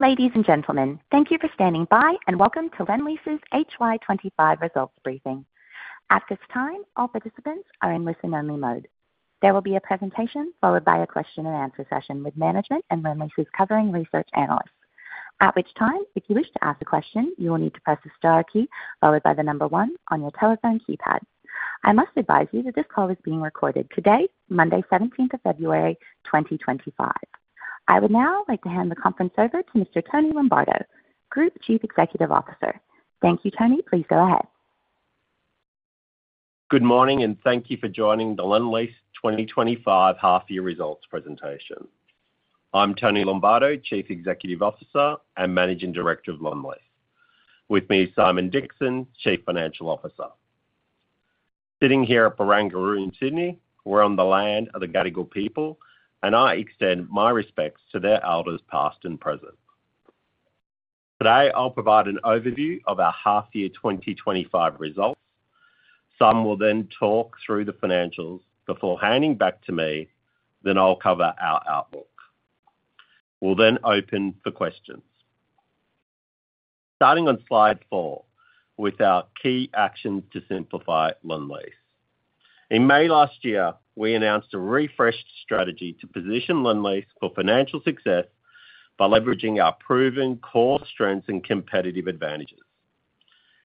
Ladies and gentlemen, thank you for standing by and welcome to Lendlease's HY 2025 Results Briefing. At this time, all participants are in listen-only mode. There will be a presentation followed by a question-and-answer session with management and Lendlease's covering research analysts. At which time, if you wish to ask a question, you will need to press the star key followed by the number one on your telephone keypad. I must advise you that this call is being recorded today, Monday, 17th of February, 2025. I would now like to hand the conference over to Mr. Tony Lombardo, Group Chief Executive Officer. Thank you, Tony. Please go ahead. Good morning, and thank you for joining the Lendlease's 2025 half-year results presentation. I'm Tony Lombardo, Chief Executive Officer and Managing Director of Lendlease. With me is Simon Dixon, Chief Financial Officer. Sitting here at Barangaroo in Sydney, we're on the land of the Gadigal people, and I extend my respects to their elders past and present. Today, I'll provide an overview of our half-year 2025 results. Simon will then talk through the financials before handing back to me. Then I'll cover our outlook. We'll then open for questions. Starting on slide four with our key actions to simplify Lendlease. In May last year, we announced a refreshed strategy to position Lendlease for financial success by leveraging our proven core strengths and competitive advantages.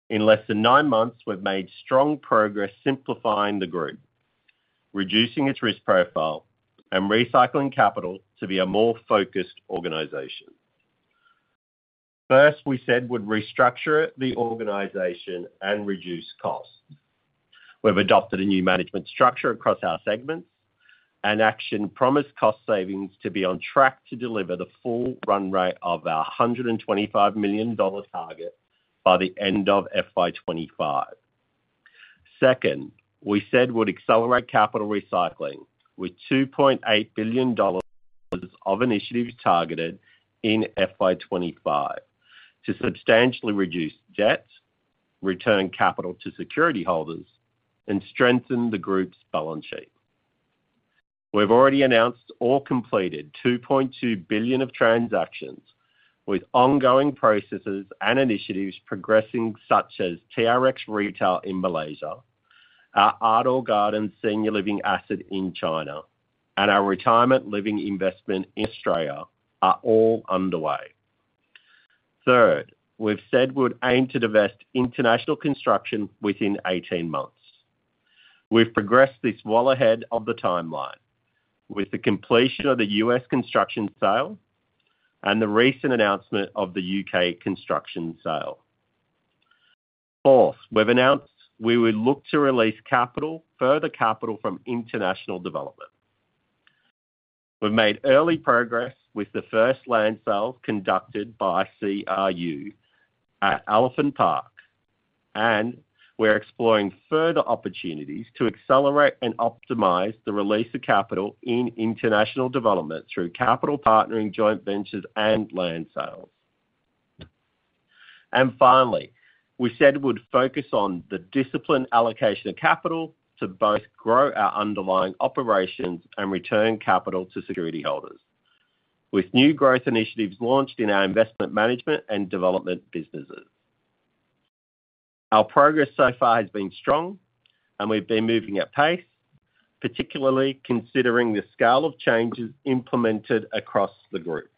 In less than nine months, we've made strong progress simplifying the group, reducing its risk profile, and recycling capital to be a more focused organization. First, we said we'd restructure the organization and reduce costs. We've adopted a new management structure across our segments, and actions promised cost savings to be on track to deliver the full run rate of our 125 million dollar target by the end of FY 2025. Second, we said we'd accelerate capital recycling with 2.8 billion dollars of initiatives targeted in FY 2025 to substantially reduce debt, return capital to securityholders, and strengthen the group's balance sheet. We've already announced or completed 2.2 billion of transactions with ongoing processes and initiatives progressing, such as TRX Retail in Malaysia, our Ardor Gardens senior living asset in China, and our Retirement Living Investment in Australia, are all underway. Third, we've said we'd aim to divest international construction within 18 months. We've progressed this well ahead of the timeline with the completion of the U.S. construction sale and the recent announcement of the U.K. construction sale. Fourth, we've announced we would look to release further capital from international development. We've made early progress with the first land sales conducted by CRU at Elephant Park, and we're exploring further opportunities to accelerate and optimize the release of capital in international development through capital partnering joint ventures and land sales. And finally, we said we'd focus on the disciplined allocation of capital to both grow our underlying operations and return capital to securityholders with new growth initiatives launched in our investment management and development businesses. Our progress so far has been strong, and we've been moving at pace, particularly considering the scale of changes implemented across the group.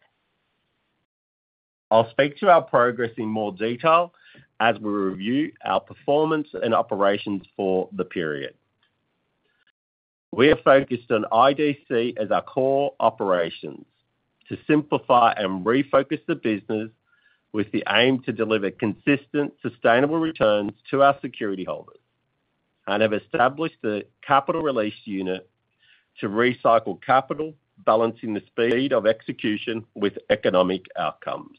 I'll speak to our progress in more detail as we review our performance and operations for the period. We have focused on IDC as our core operations to simplify and refocus the business with the aim to deliver consistent, sustainable returns to our securityholders and have established the Capital Release Unit to recycle capital, balancing the speed of execution with economic outcomes.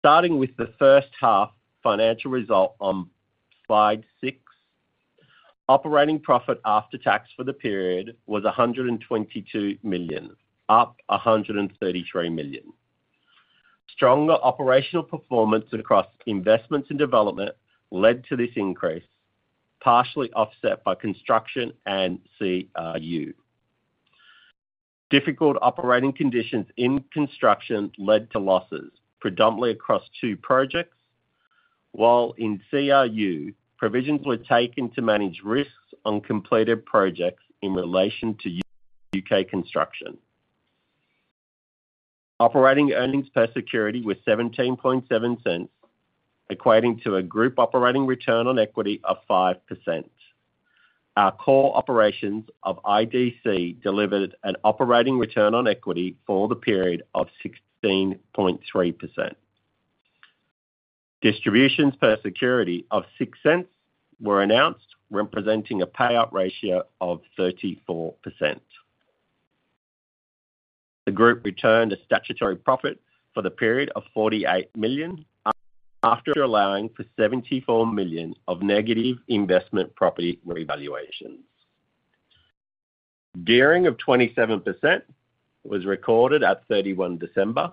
Starting with the first half financial result on slide six, operating profit after tax for the period was 122 million, up 133 million. Stronger operational performance across investments and development led to this increase, partially offset by construction and CRU. Difficult operating conditions in construction led to losses, predominantly across two projects, while in CRU, provisions were taken to manage risks on completed projects in relation to U.K. construction. Operating earnings per security were 17.70, equating to a group operating return on equity of 5%. Our core operations of IDC delivered an operating return on equity for the period of 16.3%. Distributions per security of 0.06 were announced, representing a payout ratio of 34%. The group returned a statutory profit for the period of 48 million after allowing for 74 million of negative investment property revaluations. Gearing of 27% was recorded at 31 December,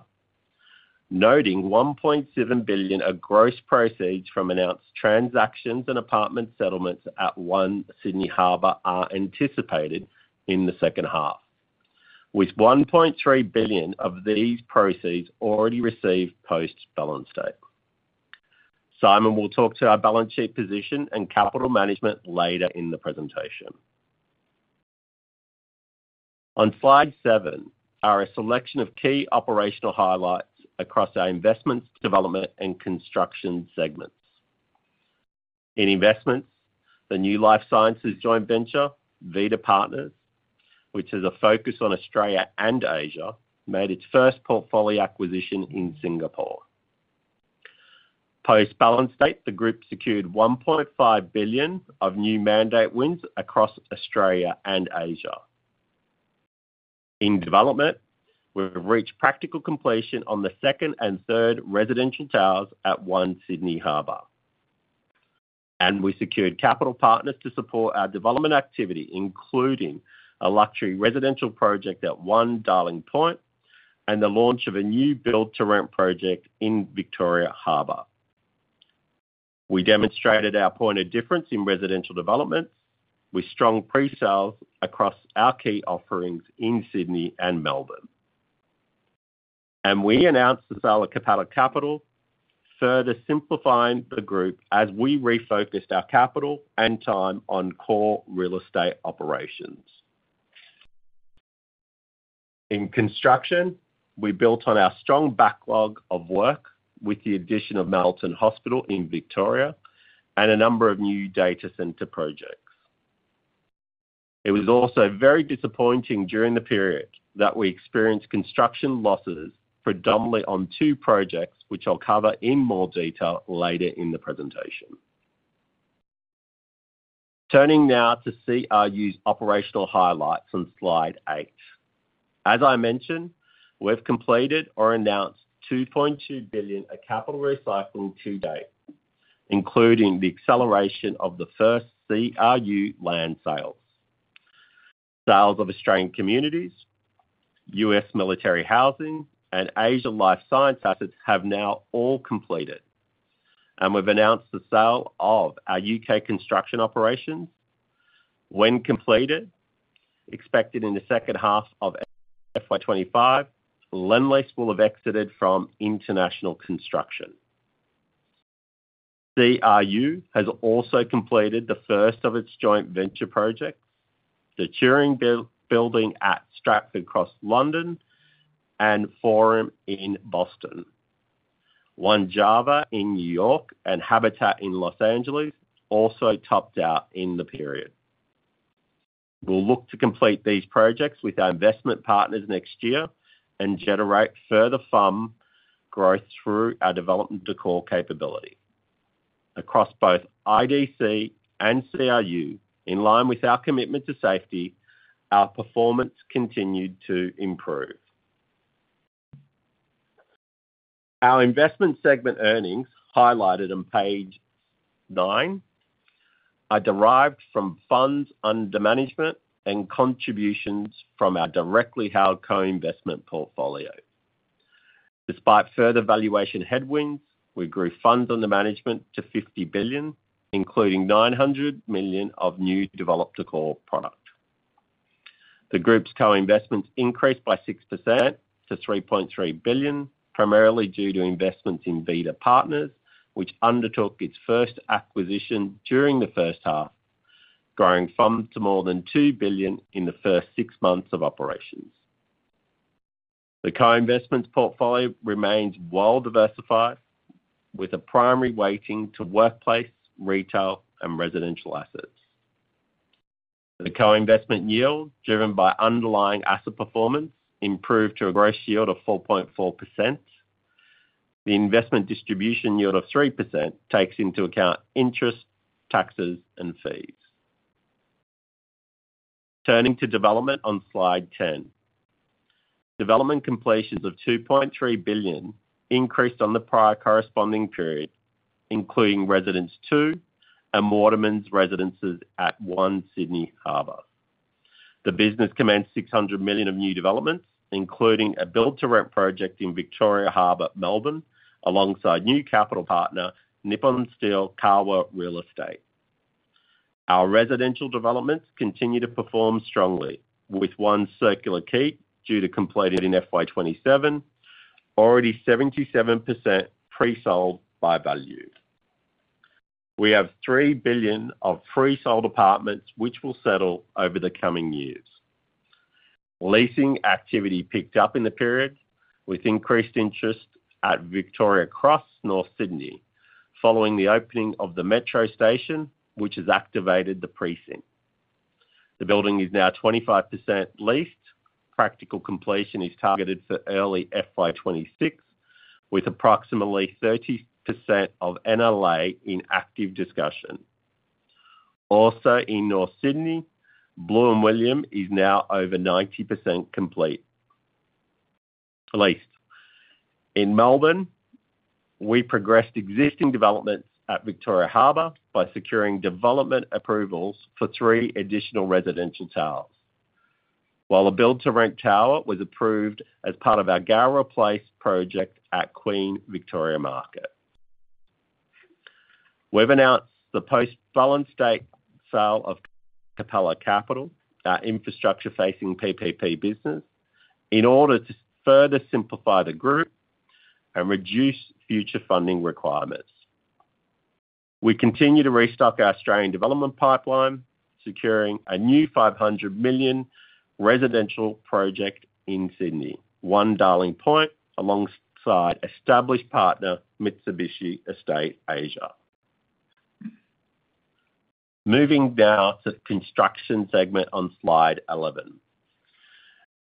noting 1.7 billion of gross proceeds from announced transactions and apartment settlements at One Sydney Harbour are anticipated in the second half, with 1.3 billion of these proceeds already received post-balance date. Simon will talk to our balance sheet position and capital management later in the presentation. On slide seven are a selection of key operational highlights across our investments, development, and construction segments. In investments, the New Life Sciences Joint Venture, Vida Partners, which has a focus on Australia and Asia, made its first portfolio acquisition in Singapore. Post-balance date, the group secured 1.5 billion of new mandate wins across Australia and Asia. In development, we've reached practical completion on the second and third residential towers at One Sydney Harbour, and we secured capital partners to support our development activity, including a luxury residential project at One Darling Point and the launch of a new build-to-rent project in Victoria Harbour. We demonstrated our point of difference in residential developments with strong pre-sales across our key offerings in Sydney and Melbourne, and we announced the sale of Capella Capital, further simplifying the group as we refocused our capital and time on core real estate operations. In construction, we built on our strong backlog of work with the addition of Melton Hospital in Victoria and a number of new data center projects. It was also very disappointing during the period that we experienced construction losses predominantly on two projects, which I'll cover in more detail later in the presentation. Turning now to CRU's operational highlights on slide eight. As I mentioned, we've completed or announced 2.2 billion of capital recycling to date, including the acceleration of the first CRU land sales. Sales of Australian Communities, US Military Housing, and Asian life science assets have now all completed, and we've announced the sale of our UK construction operations. When completed, expected in the second half of FY 2025, Lendlease will have exited from international construction. CRU has also completed the first of its joint venture projects, The Turing Building at Stratford Cross, London and Forum in Boston. One Java in New York and Habitat in Los Angeles also topped out in the period. We'll look to complete these projects with our investment partners next year and generate further fund growth through our development to core capability across both IDC and CRU. In line with our commitment to safety, our performance continued to improve. Our investment segment earnings highlighted on page nine are derived from funds under management and contributions from our directly held co-investment portfolio. Despite further valuation headwinds, we grew funds under management to 50 billion, including 900 million of new develop-to-core product. The group's co-investments increased by 6% to 3.3 billion, primarily due to investments in Vida Partners, which undertook its first acquisition during the first half, growing funds to more than 2 billion in the first six months of operations. The co-investments portfolio remains well diversified, with a primary weighting to workplace, retail, and residential assets. The co-investment yield, driven by underlying asset performance, improved to a gross yield of 4.4%. The investment distribution yield of 3% takes into account interest, taxes, and fees. Turning to development on slide 10, development completions of $2.3 billion increased on the prior corresponding period, including Residences Two and Watermans Residences at One Sydney Harbour. The business commenced $600 million of new developments, including a build-to-rent project in Victoria Harbour, Melbourne, alongside new capital partner Nippon Steel Kowa Real Estate. Our residential developments continue to perform strongly, with One Circular Quay due for completion in FY 2027, already 77% pre-sold by value. We have $3 billion of pre-sold apartments, which will settle over the coming years. Leasing activity picked up in the period with increased interest at Victoria Cross, North Sydney, following the opening of the Metro Station, which has activated the precinct. The building is now 25% leased. Practical completion is targeted for early FY 2026, with approximately 30% of NLA in active discussion. Also in North Sydney, Blue & William is now over 90% complete. In Melbourne, we progressed existing developments at Victoria Harbour by securing development approvals for three additional residential towers, while a build-to-rent tower was approved as part of our Gurrowa Place project at Queen Victoria Market. We've announced the post-balance date sale of Capella Capital, our infrastructure-facing PPP business, in order to further simplify the group and reduce future funding requirements. We continue to restock our Australian development pipeline, securing a new 500 million residential project in Sydney, One Darling Point, alongside established partner Mitsubishi Estate Asia. Moving now to the construction segment on slide 11.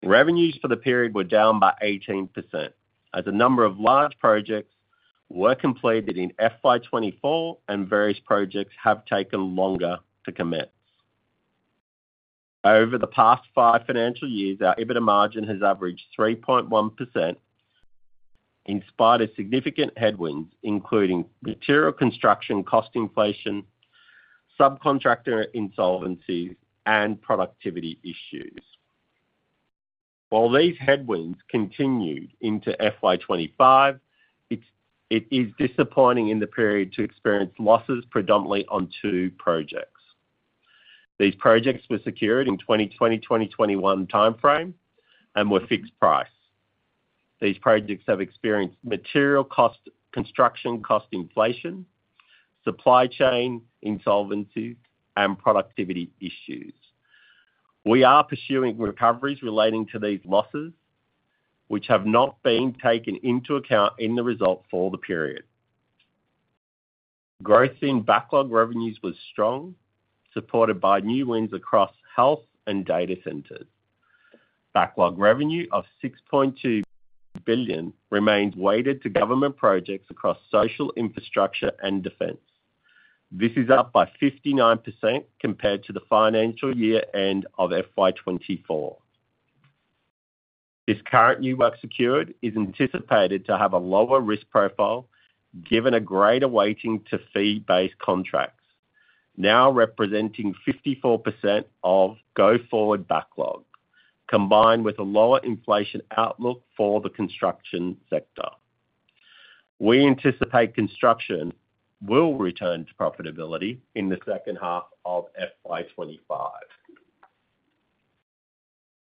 Revenues for the period were down by 18% as a number of large projects were completed in FY 2024, and various projects have taken longer to commence. Over the past five financial years, our EBITDA margin has averaged 3.1% in spite of significant headwinds, including material construction cost inflation, subcontractor insolvencies, and productivity issues. While these headwinds continued into FY 2025, it is disappointing in the period to experience losses predominantly on two projects. These projects were secured in 2020-2021 timeframe and were fixed price. These projects have experienced material cost, construction cost inflation, supply chain insolvencies, and productivity issues. We are pursuing recoveries relating to these losses, which have not been taken into account in the result for the period. Growth in backlog revenues was strong, supported by new wins across health and data centers. Backlog revenue of 6.2 billion remains weighted to government projects across social infrastructure and defense. This is up by 59% compared to the financial year end of FY 2024. This current new work secured is anticipated to have a lower risk profile, given a greater weighting to fee-based contracts, now representing 54% of go forward backlog, combined with a lower inflation outlook for the construction sector. We anticipate construction will return to profitability in the second half of FY 2025.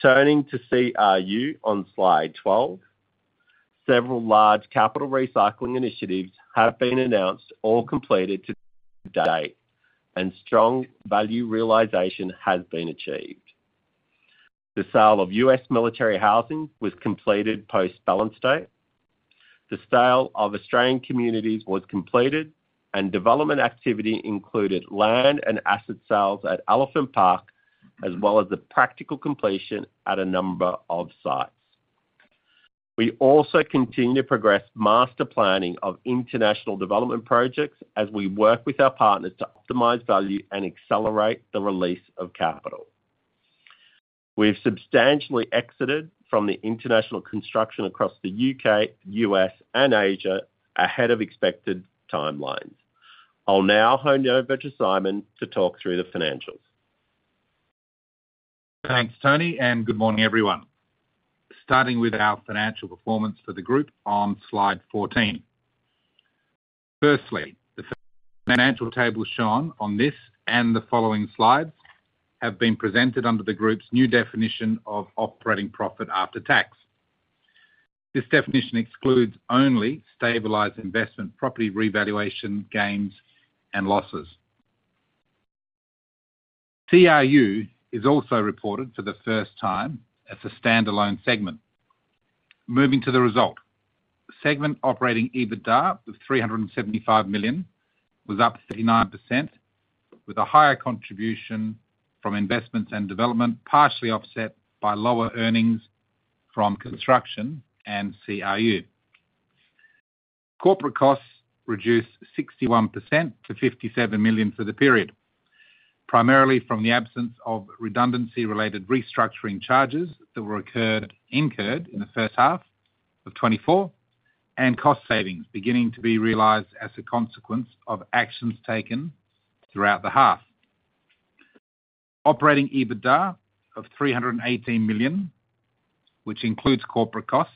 Turning to CRU on slide 12, several large capital recycling initiatives have been announced, all completed to date, and strong value realization has been achieved. The sale of US Military Housing was completed post-balance date. The sale of Australian Communities was completed, and development activity included land and asset sales at Elephant Park, as well as the practical completion at a number of sites. We also continue to progress master planning of international development projects as we work with our partners to optimize value and accelerate the release of capital. We've substantially exited from the international construction across the U.K., U.S., and Asia ahead of expected timelines. I'll now hand over to Simon to talk through the financials. Thanks, Tony, and good morning, everyone. Starting with our financial performance for the group on slide 14. Firstly, the financial tables shown on this and the following slides have been presented under the group's new definition of operating profit after tax. This definition excludes only stabilized investment property revaluation gains and losses. CRU is also reported for the first time as a standalone segment. Moving to the result, segment operating EBITDA of 375 million was up 39%, with a higher contribution from investments and development, partially offset by lower earnings from construction and CRU. Corporate costs reduced 61% to 57 million for the period, primarily from the absence of redundancy-related restructuring charges that were incurred in the first half of 2024 and cost savings beginning to be realized as a consequence of actions taken throughout the half. Operating EBITDA of 318 million, which includes corporate costs,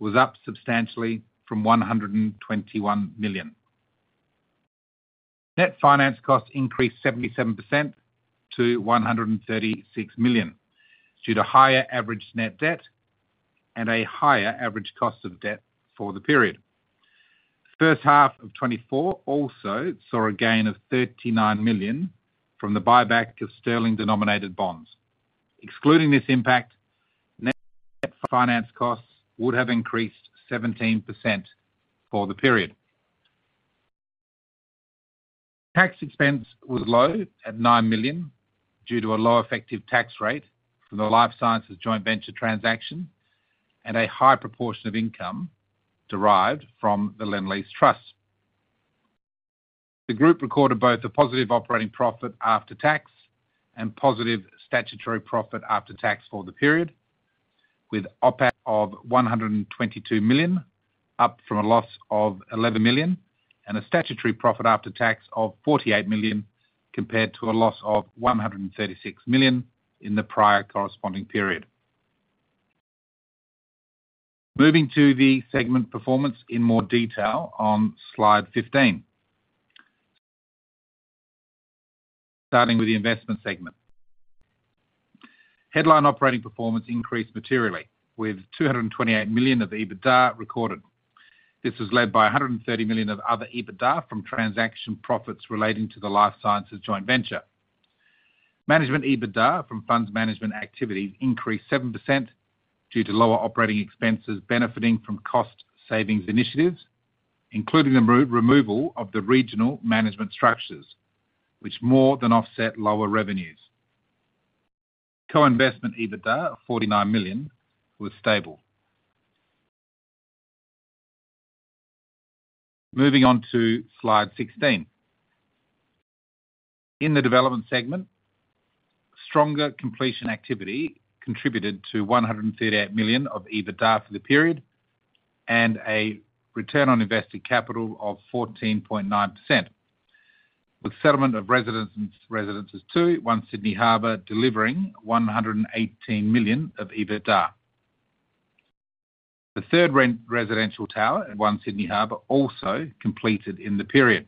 was up substantially from 121 million. Net finance costs increased 77% to $136 million due to higher average net debt and a higher average cost of debt for the period. First half of 2024 also saw a gain of $39 million from the buyback of sterling-denominated bonds. Excluding this impact, net finance costs would have increased 17% for the period. Tax expense was low at $9 million due to a low effective tax rate from the life sciences joint venture transaction and a high proportion of income derived from the Lendlease Trust. The group recorded both a positive operating profit after tax and positive statutory profit after tax for the period, with OPAT of $122 million, up from a loss of $11 million, and a statutory profit after tax of $48 million compared to a loss of $136 million in the prior corresponding period. Moving to the segment performance in more detail on slide 15, starting with the investment segment. Headline operating performance increased materially, with 228 million of EBITDA recorded. This was led by 130 million of other EBITDA from transaction profits relating to the life sciences joint venture. Management EBITDA from funds management activities increased 7% due to lower operating expenses benefiting from cost savings initiatives, including the removal of the regional management structures, which more than offset lower revenues. Co-investment EBITDA of 49 million was stable. Moving on to slide 16. In the development segment, stronger completion activity contributed to 138 million of EBITDA for the period and a return on invested capital of 14.9%, with settlement of Residences Two One Sydney Harbour delivering 118 million of EBITDA. The third residential tower at One Sydney Harbour also completed in the period,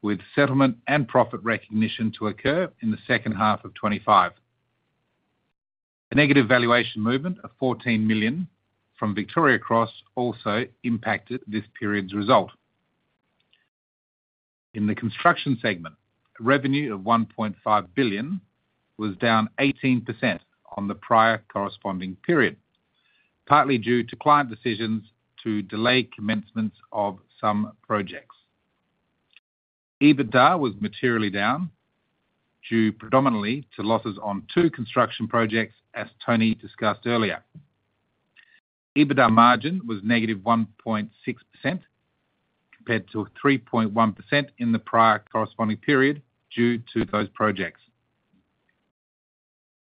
with settlement and profit recognition to occur in the second half of 2025. A negative valuation movement of 14 million from Victoria Cross also impacted this period's result. In the construction segment, revenue of 1.5 billion was down 18% on the prior corresponding period, partly due to client decisions to delay commencements of some projects. EBITDA was materially down due predominantly to losses on two construction projects, as Tony discussed earlier. EBITDA margin was negative 1.6% compared to 3.1% in the prior corresponding period due to those projects.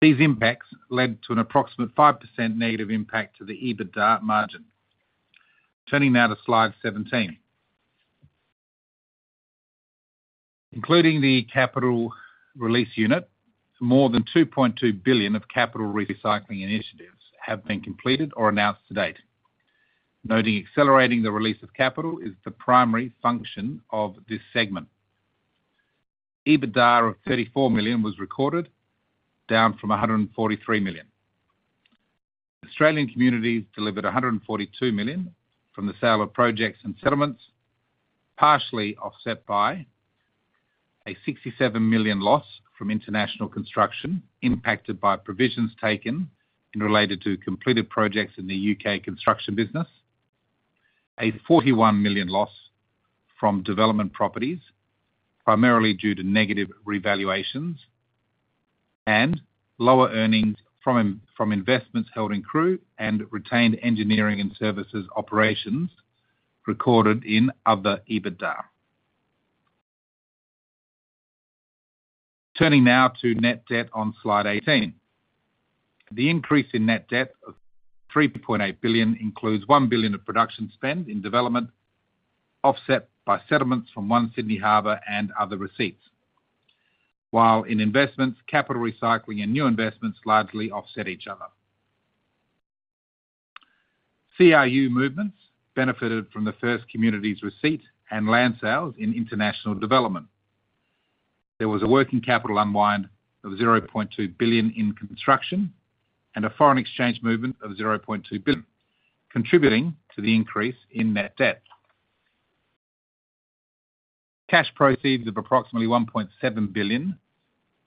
These impacts led to an approximate 5% negative impact to the EBITDA margin. Turning now to slide 17. Including the capital release unit, more than 2.2 billion of capital recycling initiatives have been completed or announced to date. Noting accelerating the release of capital is the primary function of this segment. EBITDA of 34 million was recorded, down from 143 million. Australian Communities delivered 142 million from the sale of projects and settlements, partially offset by a 67 million loss from international construction impacted by provisions taken and related to completed projects in the UK construction business, a 41 million loss from development properties, primarily due to negative revaluations, and lower earnings from investments held in CRU and retained engineering and services operations recorded in other EBITDA. Turning now to net debt on slide 18. The increase in net debt of 3.8 billion includes 1 billion of production spend in development, offset by settlements from One Sydney Harbour and other receipts, while in investments, capital recycling and new investments largely offset each other. CRU movements benefited from the first communities receipt and land sales in international development. There was a working capital unwind of 0.2 billion in construction and a foreign exchange movement of 0.2 billion, contributing to the increase in net debt. Cash proceeds of approximately 1.7 billion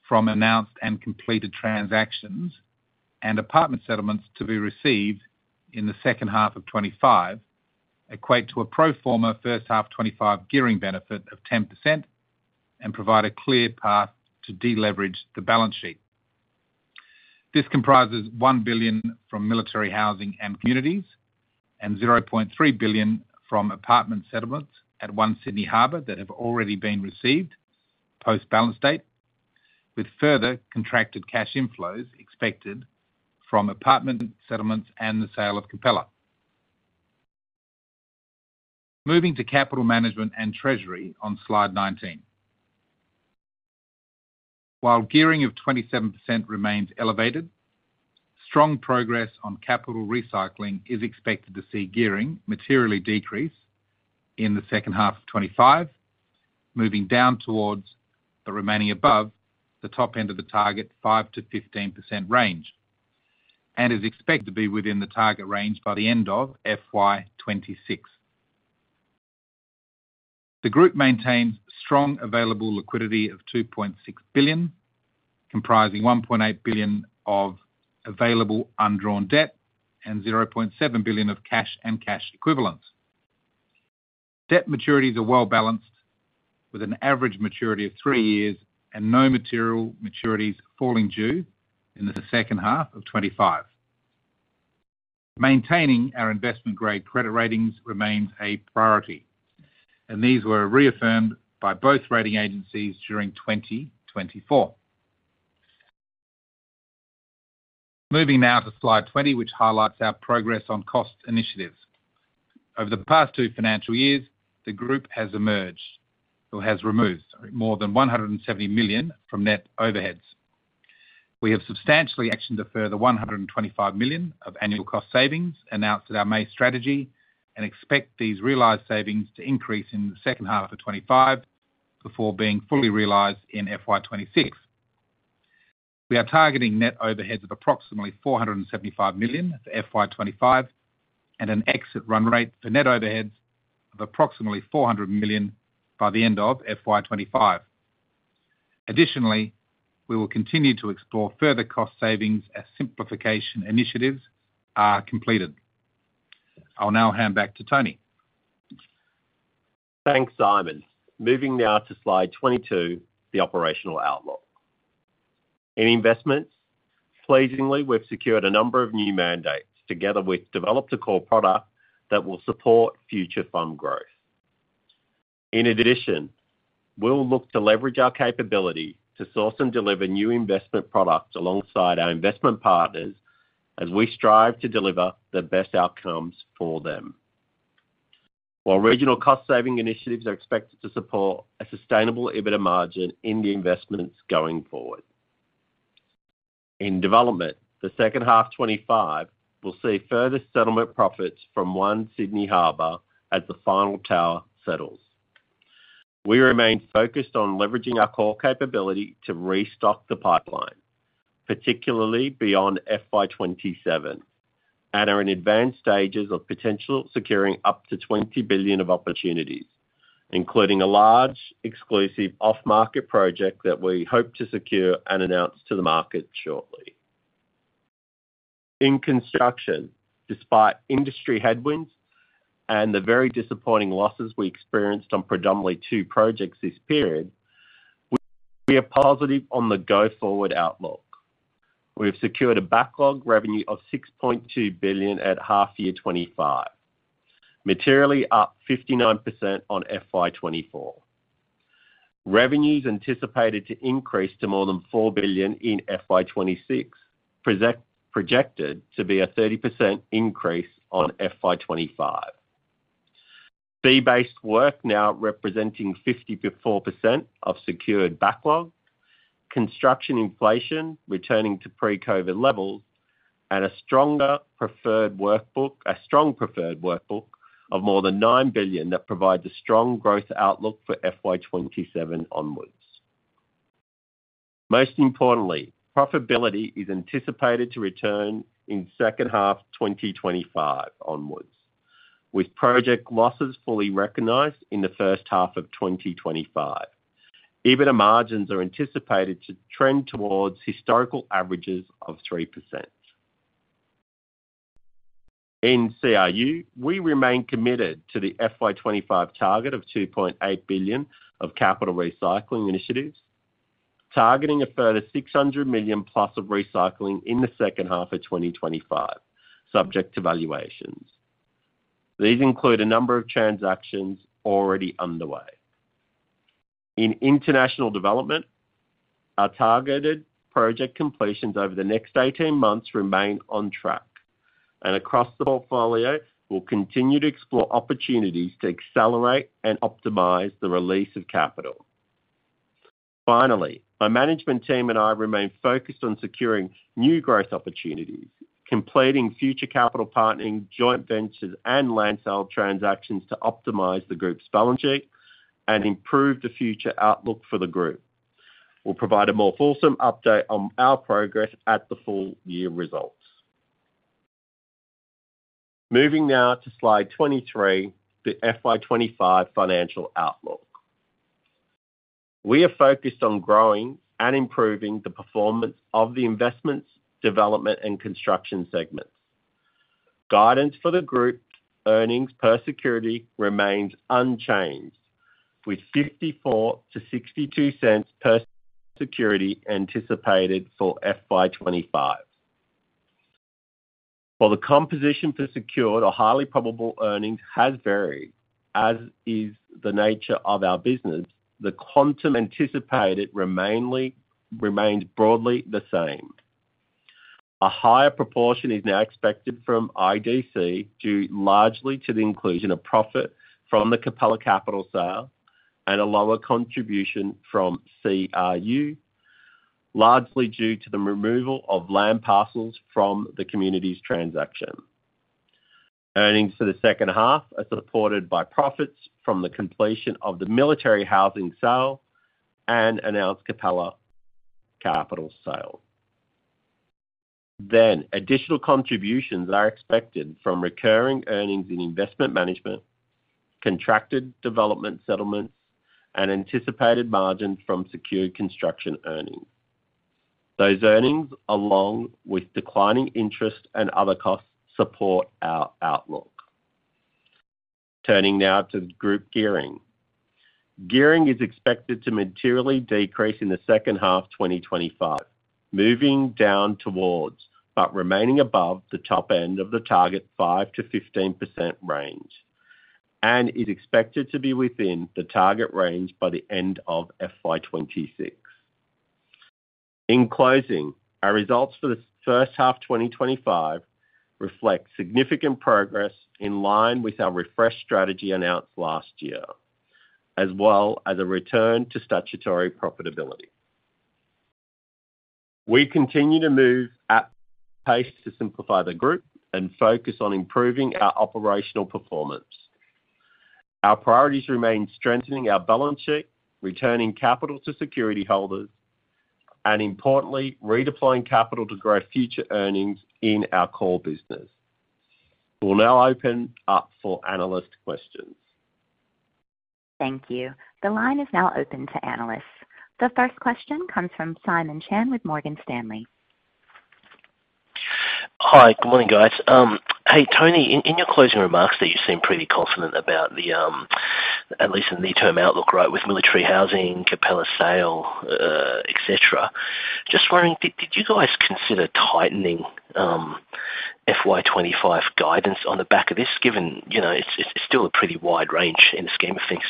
from announced and completed transactions and apartment settlements to be received in the second half of 2025 equate to a pro forma first half 2025 gearing benefit of 10% and provide a clear path to deleverage the balance sheet. This comprises 1 billion from Military Housing and communities and 0.3 billion from apartment settlements at One Sydney Harbour that have already been received post-balance date, with further contracted cash inflows expected from apartment settlements and the sale of Capella. Moving to capital management and treasury on slide 19. While gearing of 27% remains elevated, strong progress on capital recycling is expected to see gearing materially decrease in the second half of 2025, moving down towards but remaining above the top end of the target 5% to 15% range, and is expected to be within the target range by the end of FY 2026. The group maintains strong available liquidity of 2.6 billion, comprising 1.8 billion of available undrawn debt and 0.7 billion of cash and cash equivalents. Debt maturities are well balanced, with an average maturity of three years and no material maturities falling due in the second half of 2025. Maintaining our investment-grade credit ratings remains a priority, and these were reaffirmed by both rating agencies during 2024. Moving now to slide 20, which highlights our progress on cost initiatives. Over the past two financial years, the group has removed more than 170 million from net overheads. We have substantially actioned a further 125 million of annual cost savings announced in our May strategy and expect these realized savings to increase in the second half of 2025 before being fully realized in FY 2026. We are targeting net overheads of approximately 475 million for FY 2025 and an exit run rate for net overheads of approximately 400 million by the end of FY 2025. Additionally, we will continue to explore further cost savings as simplification initiatives are completed. I'll now hand back to Tony. Thanks, Simon. Moving now to slide 22, the operational outlook. In investments, pleasingly, we've secured a number of new mandates together with developed a core product that will support future fund growth. In addition, we'll look to leverage our capability to source and deliver new investment products alongside our investment partners as we strive to deliver the best outcomes for them, while regional cost saving initiatives are expected to support a sustainable EBITDA margin in the investments going forward. In development, the second half of 2025 will see further settlement profits from One Sydney Harbour as the final tower settles. We remain focused on leveraging our core capability to restock the pipeline, particularly beyond FY 2027, and are in advanced stages of potential securing up to 20 billion of opportunities, including a large exclusive off-market project that we hope to secure and announce to the market shortly. In construction, despite industry headwinds and the very disappointing losses we experienced on predominantly two projects this period, we are positive on the go forward outlook. We have secured a backlog revenue of 6.2 billion at half year 2025, materially up 59% on FY 2024. Revenues anticipated to increase to more than 4 billion in FY 2026, projected to be a 30% increase on FY 2025. Fee-based work now representing 54% of secured backlog, construction inflation returning to pre-COVID levels, and a stronger preferred workbank of more than 9 billion that provides a strong growth outlook for FY 2027 onwards. Most importantly, profitability is anticipated to return in second half 2025 onwards, with project losses fully recognized in the first half of 2025. EBITDA margins are anticipated to trend towards historical averages of 3%. In CRU, we remain committed to the FY 2025 target of 2.8 billion of capital recycling initiatives, targeting a further 600 million plus of recycling in the second half of 2025, subject to valuations. These include a number of transactions already underway. In international development, our targeted project completions over the next 18 months remain on track, and across the portfolio, we'll continue to explore opportunities to accelerate and optimize the release of capital. Finally, my management team and I remain focused on securing new growth opportunities, completing future capital partnering, joint ventures, and land sale transactions to optimize the group's balance sheet and improve the future outlook for the group. We'll provide a more fulsome update on our progress at the full year results. Moving now to Slide 23, the FY 2025 financial outlook. We are focused on growing and improving the performance of the investments, development, and construction segments. Guidance for the group's earnings per security remains unchanged, with $0.54 to $0.62 per security anticipated for FY 2025. While the composition for secured or highly probable earnings has varied, as is the nature of our business, the quantum anticipated remains broadly the same. A higher proportion is now expected from IDC, due largely to the inclusion of profit from the Capella Capital sale and a lower contribution from CRU, largely due to the removal of land parcels from the communities transaction. Earnings for the second half are supported by profits from the completion of the Military Housing sale and announced Capella Capital sale. Then, additional contributions are expected from recurring earnings in investment management, contracted development settlements, and anticipated margin from secured construction earnings. Those earnings, along with declining interest and other costs, support our outlook. Turning now to the group gearing. Gearing is expected to materially decrease in the second half 2025, moving down towards but remaining above the top end of the target 5% to 15% range, and is expected to be within the target range by the end of FY 2026. In closing, our results for the first half 2025 reflect significant progress in line with our refresh strategy announced last year, as well as a return to statutory profitability. We continue to move at pace to simplify the group and focus on improving our operational performance. Our priorities remain strengthening our balance sheet, returning capital to securityholders, and importantly, redeploying capital to grow future earnings in our core business. We'll now open up for analyst questions. Thank you. The line is now open to analysts. The first question comes from Simon Chan with Morgan Stanley. Hi. Good morning, guys. Hey, Tony, in your closing remarks, you seem pretty confident about the, at least in the term outlook, right, with Military Housing, Capella sale, etc. Just wondering, did you guys consider tightening FY 2025 guidance on the back of this, given it's still a pretty wide range in the scheme of things?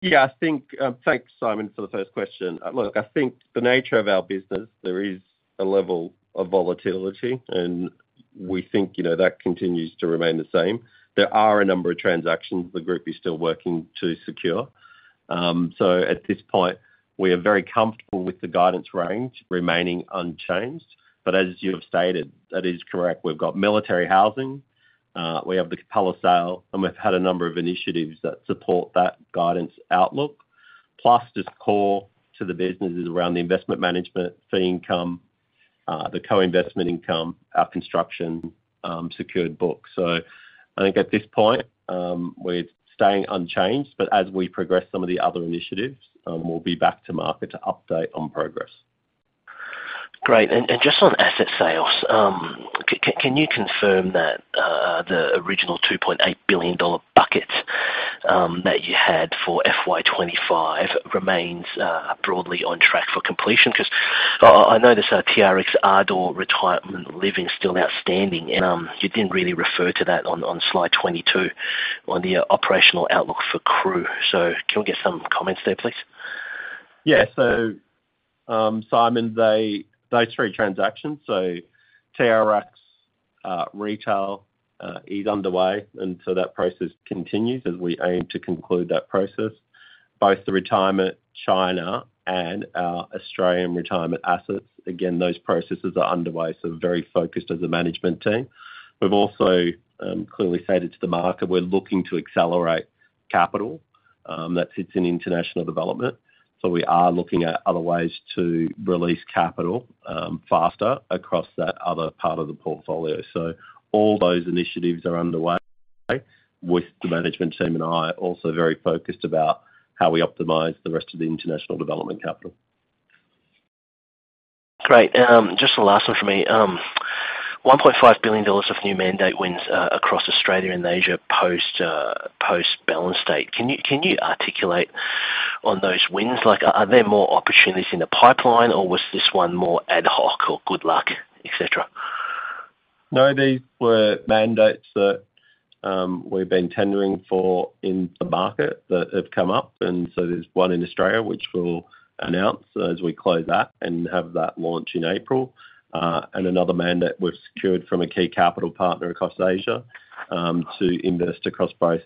Yeah, I think, thanks, Simon, for the first question. Look, I think the nature of our business, there is a level of volatility, and we think that continues to remain the same. There are a number of transactions the group is still working to secure. So at this point, we are very comfortable with the guidance range remaining unchanged. But as you have stated, that is correct. We've got Military Housing, we have the Capella sale, and we've had a number of initiatives that support that guidance outlook. Plus, just core to the business is around the investment management fee income, the co-investment income, our construction secured book. So I think at this point, we're staying unchanged, but as we progress some of the other initiatives, we'll be back to market to update on progress. Great. And just on asset sales, can you confirm that the original 2.8 billion dollar bucket that you had for FY 2025 remains broadly on track for completion? Because I noticed TRX Ardor retirement living is still outstanding. And you didn't really refer to that on slide 22 on the operational outlook for CRU. So can we get some comments there, please? Yeah. So, Simon, those three transactions, so TRX retail is underway, and so that process continues as we aim to conclude that process. Both the retirement in China and our Australian retirement assets, again, those processes are underway, so very focused as a management team. We've also clearly stated to the market we're looking to accelerate capital that sits in international development, so we are looking at other ways to release capital faster across that other part of the portfolio, so all those initiatives are underway, with the management team and I also very focused about how we optimize the rest of the international development capital. Great. Just the last one for me. 1.5 billion dollars of new mandate wins across Australia and Asia post-balance date. Can you articulate on those wins? Are there more opportunities in the pipeline, or was this one more ad hoc or good luck, etc.? No, these were mandates that we've been tendering for in the market that have come up. And so there's one in Australia, which we'll announce as we close that and have that launch in April. And another mandate we've secured from a key capital partner across Asia to invest across both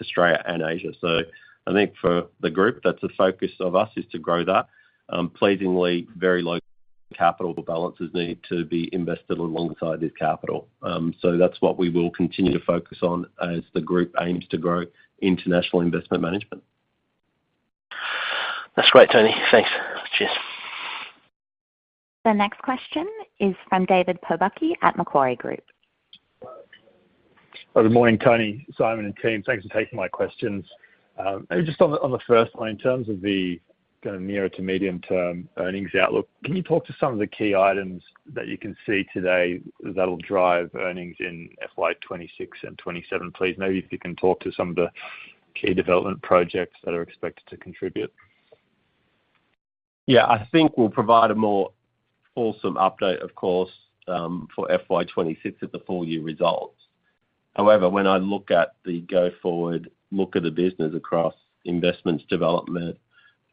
Australia and Asia. So I think for the group, that's a focus of us is to grow that. Pleasingly, very low capital balances need to be invested alongside this capital. So that's what we will continue to focus on as the group aims to grow international investment management. That's great, Tony. Thanks. Cheers. The next question is from David Pobucky at Macquarie Group. Good morning, Tony, Simon, and team. Thanks for taking my questions. Just on the first line, in terms of the kind of nearer to medium-term earnings outlook, can you talk to some of the key items that you can see today that will drive earnings in FY 2026 and 2027, please? Maybe if you can talk to some of the key development projects that are expected to contribute? Yeah, I think we'll provide a more fulsome update, of course, for FY 2026 at the full year results. However, when I look at the go forward look at the business across investments, development,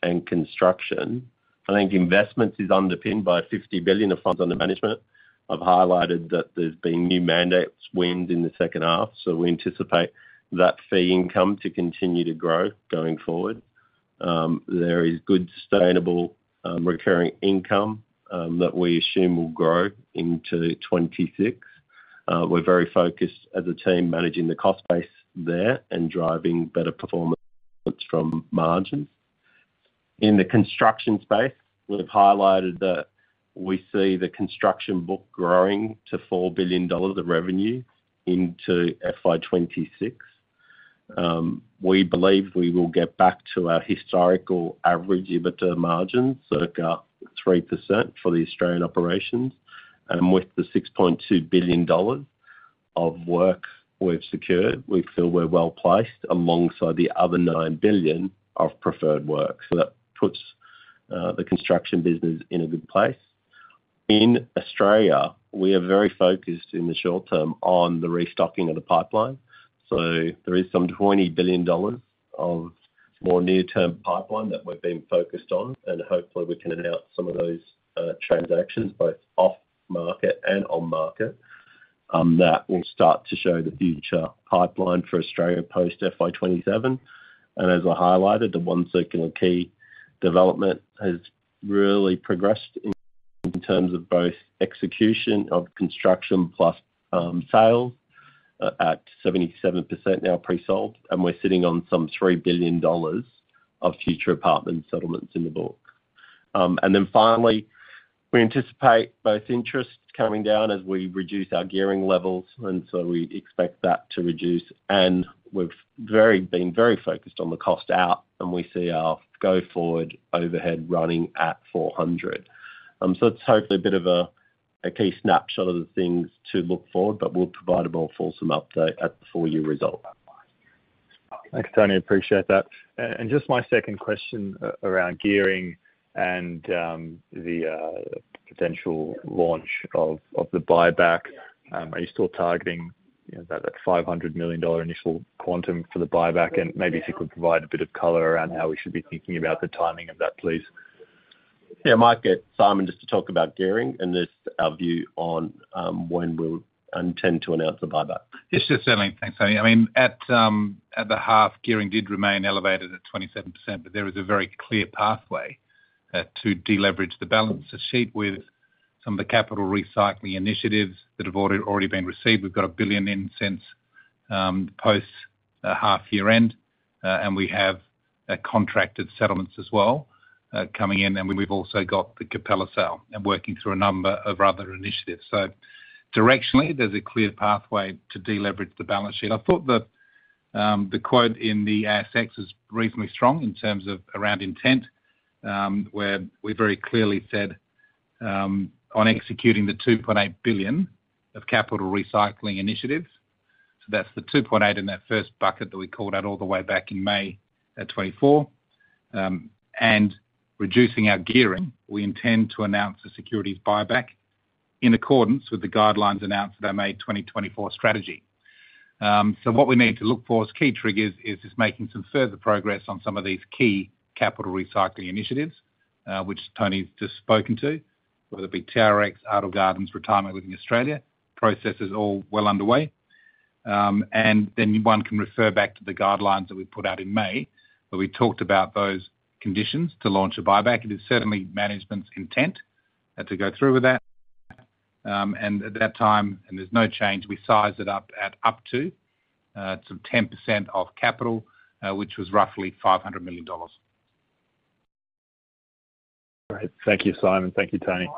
and construction, I think investments is underpinned by $50 billion of funds under management. I've highlighted that there's been new mandates won in the second half, so we anticipate that fee income to continue to grow going forward. There is good sustainable recurring income that we assume will grow into 2026. We're very focused as a team managing the cost base there and driving better performance from margins. In the construction space, we've highlighted that we see the construction book growing to $4 billion of revenue into FY 2026. We believe we will get back to our historical average EBITDA margins, circa 3% for the Australian operations, and with the 6.2 billion dollars of work we've secured, we feel we're well placed alongside the other 9 billion of preferred work, so that puts the construction business in a good place. In Australia, we are very focused in the short term on the restocking of the pipeline, so there is some 20 billion dollars of more near-term pipeline that we've been focused on, and hopefully we can announce some of those transactions both off-market and on-market that will start to show the future pipeline for Australia post FY 2027, and as I highlighted, the One Circular Quay development has really progressed in terms of both execution of construction plus sales at 77% now pre-sold, and we're sitting on some 3 billion dollars of future apartment settlements in the book. Then finally, we anticipate both interest coming down as we reduce our gearing levels, and so we expect that to reduce. We've been very focused on the cost out, and we see our go forward overhead running at $400. It's hopefully a bit of a key snapshot of the things to look forward, but we'll provide a more fulsome update at the full year result. Thanks, Tony. Appreciate that. Just my second question around gearing and the potential launch of the buyback. Are you still targeting that $500 million initial quantum for the buyback? And maybe if you could provide a bit of color around how we should be thinking about the timing of that, please. Yeah, I might get Simon just to talk about gearing and our view on when we'll intend to announce the buyback. Yes, just certainly. Thanks, Tony. I mean, at the half, gearing did remain elevated at 27%, but there is a very clear pathway to deleverage the balance sheet with some of the capital recycling initiatives that have already been received. We've got 1 billion in since post-half year end, and we have contracted settlements as well coming in, and we've also got the Capella sale and working through a number of other initiatives, so directionally, there's a clear pathway to deleverage the balance sheet. I thought the quote in the ASX was reasonably strong in terms of around intent, where we very clearly said on executing the 2.8 billion of capital recycling initiatives. So that's the 2.8 in that first bucket that we called out all the way back in May 2024. And reducing our gearing, we intend to announce the securities buyback in accordance with the guidelines announced in our May 2024 strategy. What we need to look for as key triggers is just making some further progress on some of these key capital recycling initiatives, which Tony's just spoken to, whether it be TRX, Ardor Gardens, Retirement Living Australia, processes all well underway. And then one can refer back to the guidelines that we put out in May, where we talked about those conditions to launch a buyback. It is certainly management's intent to go through with that. And at that time, and there's no change, we sized it up at up to some 10% of capital, which was roughly 500 million dollars. Great. Thank you, Simon. Thank you, Tony.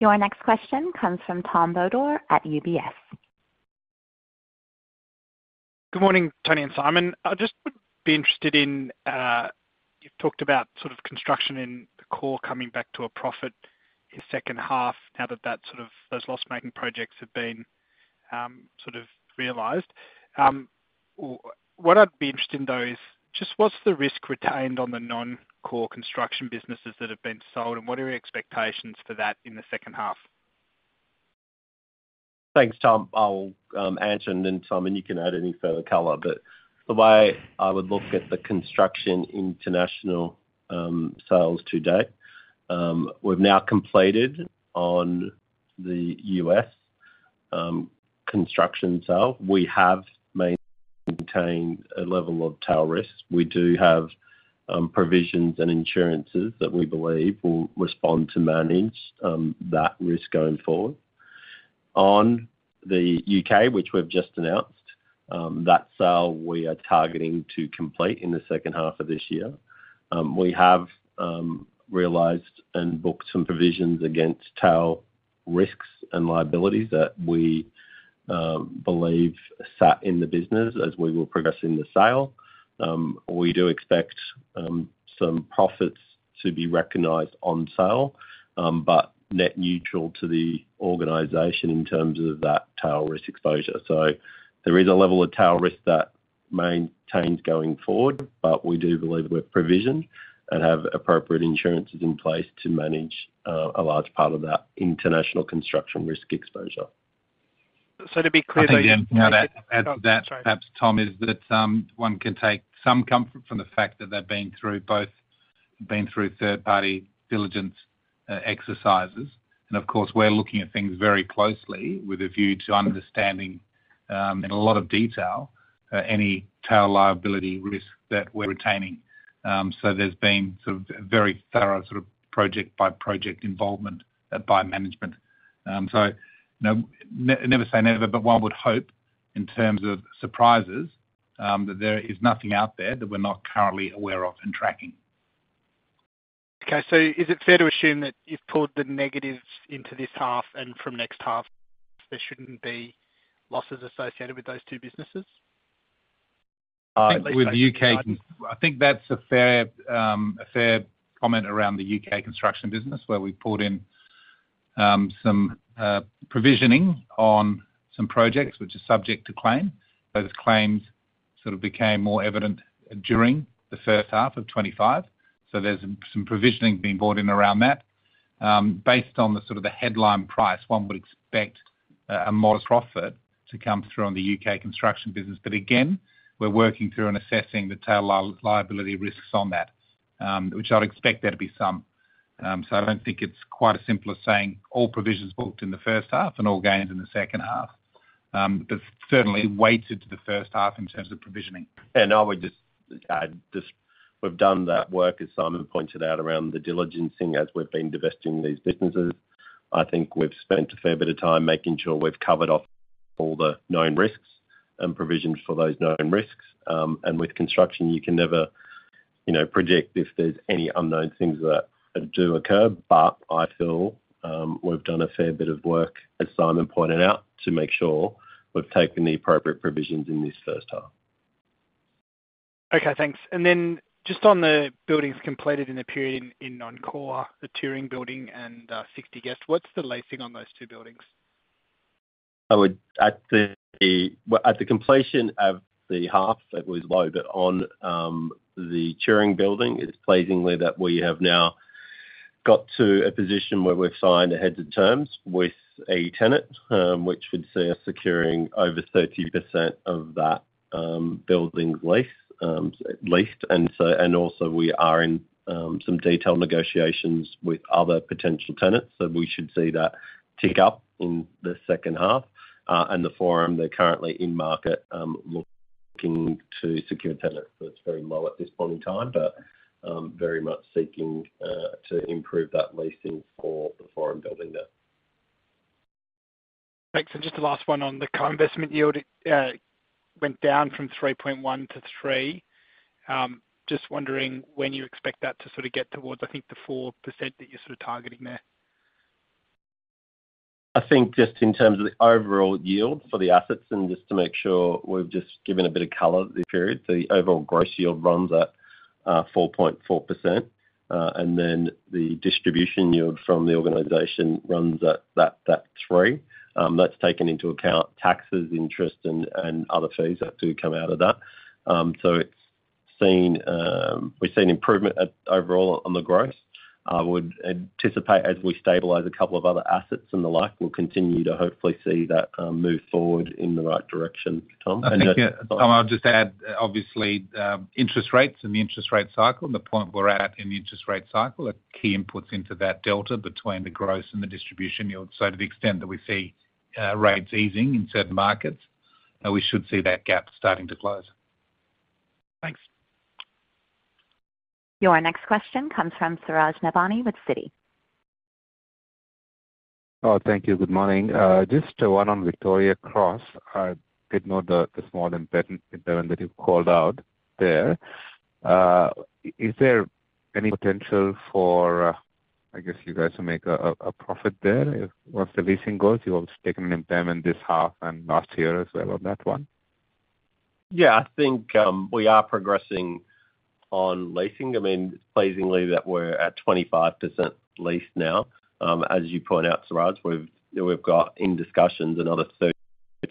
Your next question comes from Tom Bodor at UBS. Good morning, Tony and Simon. I just would be interested in you've talked about sort of construction in the core coming back to a profit in the second half, now that those loss-making projects have been sort of realized. What I'd be interested in, though, is just what's the risk retained on the non-core construction businesses that have been sold, and what are your expectations for that in the second half? Thanks, Tom. I'll answer, and then Simon, you can add any further color. But the way I would look at the construction international sales today, we've now completed on the US construction sale. We have maintained a level of tail risk. We do have provisions and insurances that we believe will respond to manage that risk going forward. On the U.K., which we've just announced, that sale we are targeting to complete in the second half of this year. We have realized and booked some provisions against tail risks and liabilities that we believe sat in the business as we were progressing the sale. We do expect some profits to be recognized on sale, but net neutral to the organization in terms of that tail risk exposure, so there is a level of tail risk that maintains going forward, but we do believe we're provisioned and have appropriate insurances in place to manage a large part of that international construction risk exposure. So to be clear, though. That perhaps, Tom, Is that one can take some comfort from the fact that they've been through both third-party diligence exercises, and of course, we're looking at things very closely with a view to understanding in a lot of detail any tail liability risk that we're retaining, so there's been sort of very thorough sort of project-by-project involvement by management. So never say never, but one would hope in terms of surprises that there is nothing out there that we're not currently aware of and tracking. Okay. So is it fair to assume that you've pulled the negatives into this half and from next half, there shouldn't be losses associated with those two businesses? I think that's a fair comment around the UK construction business, where we've pulled in some provisioning on some projects, which is subject to claim. Those claims sort of became more evident during the first half of 2025. So there's some provisioning being brought in around that. Based on the sort of the headline price, one would expect a modest profit to come through on the UK construction business. But again, we're working through and assessing the tail liability risks on that, which I'd expect there to be some. So I don't think it's quite as simple as saying all provisions booked in the first half and all gains in the second half, but certainly weighted to the first half in terms of provisioning. Yeah. No, I would just add we've done that work, as Simon pointed out, around the diligence thing as we've been divesting these businesses. I think we've spent a fair bit of time making sure we've covered off all the known risks and provisioned for those known risks. And with construction, you can never predict if there's any unknown things that do occur. But I feel we've done a fair bit of work, as Simon pointed out, to make sure we've taken the appropriate provisions in this first half. Okay. Thanks. Then just on the buildings completed in the period in non-core, the Turing Building and 60 Guest, what's the leasing on those two buildings? At the completion of the half, it was low, but on the Turing Building, it's pleasingly that we have now got to a position where we've signed a heads-of-terms with a tenant, which would see us securing over 30% of that building's lease. And also we are in some detailed negotiations with other potential tenants, so we should see that tick up in the second half. And the Forum, they're currently in market looking to secure tenants. So it's very low at this point in time, but very much seeking to improve that leasing for the Forum building there. Thanks. And just the last one on the co-investment yield, it went down from 3.1% to 3%. Just wondering when you expect that to sort of get towards, I think, the 4% that you're sort of targeting there. I think just in terms of the overall yield for the assets and just to make sure we've just given a bit of color. So the overall gross yield runs at 4.4%. And then the distribution yield from the organization runs at that 3%. That's taken into account taxes, interest, and other fees that do come out of that. So we've seen improvement overall on the gross. I would anticipate as we stabilize a couple of other assets and the like, we'll continue to hopefully see that move forward in the right direction, Tom. And I'll just add, obviously, interest rates and the interest rate cycle and the point we're at in the interest rate cycle are key inputs into that delta between the gross and the distribution yield. So to the extent that we see rates easing in certain markets, we should see that gap starting to close. Thanks. Your next question comes from Suraj Nebhani with Citi. Oh, thank you. Good morning. Just to add on Victoria Cross, I did note the small impairment that you've called out there. Is there any potential for, I guess, you guys to make a profit there once the leasing goes? You've also taken an impairment this half and last year as well on that one. Yeah. I think we are progressing on leasing. I mean, it's pleasing that we're at 25% leased now. As you point out, Suraj, we've got in discussions another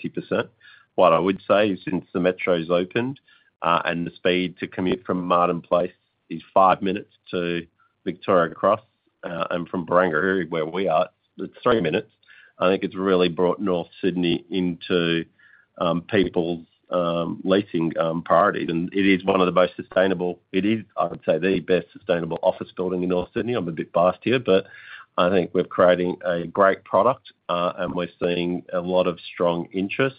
30%. What I would say is since the metro's opened and the speed to commute from Martin Place is five minutes to Victoria Cross and from Barangaroo, where we are, it's three minutes. I think it's really brought North Sydney into people's leasing priority, and it is one of the most sustainable, it is, I would say, the best sustainable office building in North Sydney. I'm a bit biased here, but I think we're creating a great product, and we're seeing a lot of strong interest.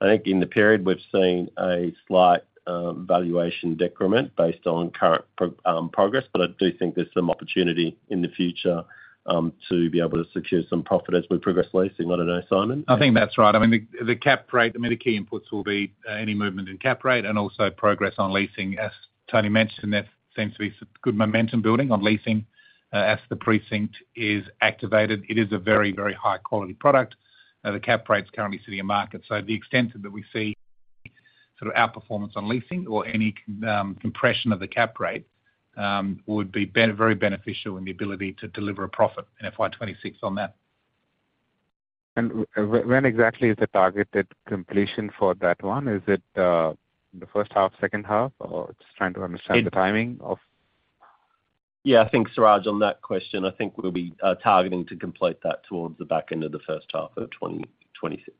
I think in the period, we've seen a slight valuation decrement based on current progress, but I do think there's some opportunity in the future to be able to secure some profit as we progress leasing. I don't know, Simon? I think that's right. I mean, the cap rate, I mean, the key inputs will be any movement in cap rate and also progress on leasing. As Tony mentioned, there seems to be good momentum building on leasing as the precinct is activated. It is a very, very high-quality product. The cap rate's currently sitting in market. So the extent that we see sort of outperformance on leasing or any compression of the cap rate would be very beneficial in the ability to deliver a profit in FY 2026 on that. And when exactly is the targeted completion for that one? Is it the first half, second half, or just trying to understand the timing of? Yeah. I think, Suraj, on that question, I think we'll be targeting to complete that towards the back end of the first half of 2026.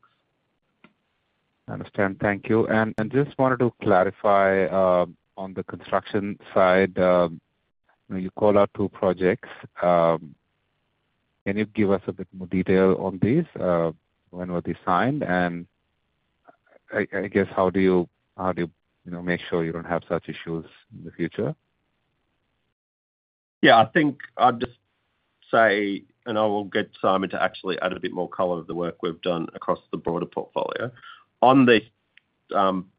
I understand. Thank you. And just wanted to clarify on the construction side. You called out two projects. Can you give us a bit more detail on these? When were they signed? And I guess, how do you make sure you don't have such issues in the future? Yeah. I think I'll just say, and I will get Simon to actually add a bit more color on the work we've done across the broader portfolio. On